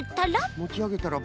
もちあげたらば？